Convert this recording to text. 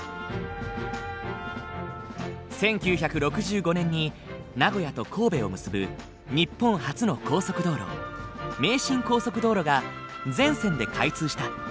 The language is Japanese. １９６５年に名古屋と神戸を結ぶ日本初の高速道路名神高速道路が全線で開通した。